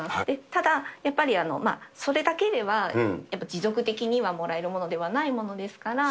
ただ、やっぱりそれだけでは、持続的にはもらえるものではないものですから。